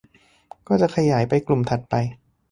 ก็จะขยายไปกลุ่มถัดไป